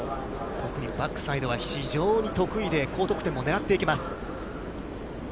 特にバックサイドは非常に得意で、高得点もねらっていきます。